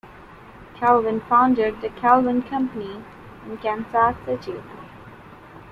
Calvin founded the Calvin Company in Kansas City.